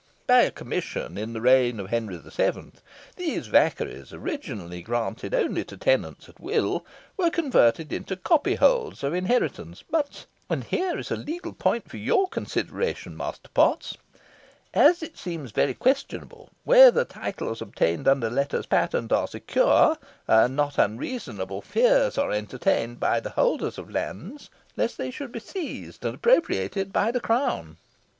By a commission in the reign of Henry VII., these vaccaries, originally granted only to tenants at will, were converted into copyholds of inheritance, but and here is a legal point for your consideration, Master Potts as it seems very questionable whether titles obtained under letters patent are secure, not unreasonable fears are entertained by the holders of the lands lest they should be seized, and appropriated by the crown."